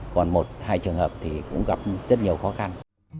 còn một hai trường hợp thì cũng gặp rất nhiều khó khăn